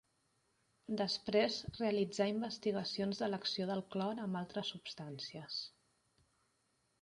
Després realitzà investigacions de l'acció del clor amb altres substàncies.